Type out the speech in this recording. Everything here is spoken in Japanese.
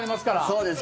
そうです。